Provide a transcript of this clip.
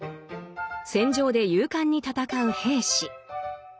戦場で勇敢に戦う兵士。